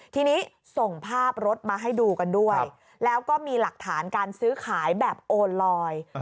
ทีนี้ส่งภาพรถมาให้ดูกันด้วยแล้วก็มีหลักฐานการซื้อขายแบบโอนลอย